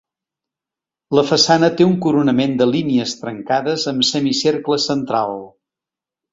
La façana té un coronament de línies trencades amb semicercle central.